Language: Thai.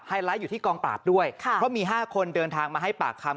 ไลท์อยู่ที่กองปราบด้วยเพราะมี๕คนเดินทางมาให้ปากคำ